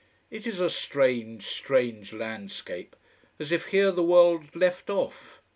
It is a strange, strange landscape: as if here the world left off.